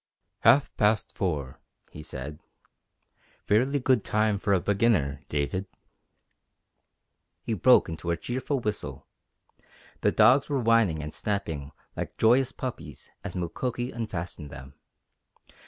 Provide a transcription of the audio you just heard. "Half past four," he said. "Fairly good time for a beginner, David!" He broke into a cheerful whistle. The dogs were whining and snapping like joyous puppies as Mukoki unfastened them.